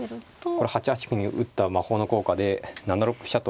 これ８八歩に打った魔法の効果で７六飛車と。